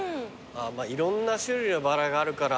いろんな種類のバラがあるから。